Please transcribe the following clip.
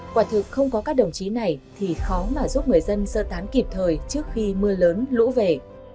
quả thực không có các đồng chí này thì khó mà giúp người dân sơ tán kịp thời trước khi mưa lớn lũ về